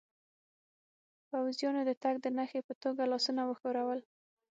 پوځیانو د تګ د نښې په توګه لاسونه و ښورول.